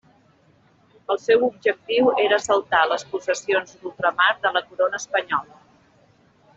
El seu objectiu era assaltar les possessions d'ultramar de la corona espanyola.